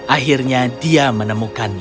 akhirnya dia menemukannya